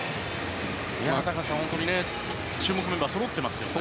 高橋さん、本当に注目メンバーがそろっていますね。